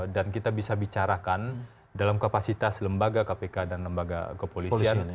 dan kita bisa bicarakan dalam kapasitas lembaga kpk dan lembaga kepolisian